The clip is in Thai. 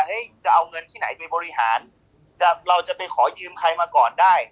จะเอาเงินที่ไหนไปบริหารจะเราจะไปขอยืมใครมาก่อนได้